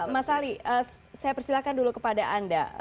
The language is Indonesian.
mas ali saya persilahkan dulu kepada anda